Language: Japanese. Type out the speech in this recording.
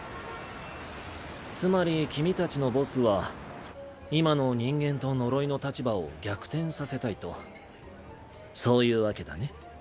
つまり君たちのボスは今の人間と呪いの立場を逆転させたいとそういうわけだね？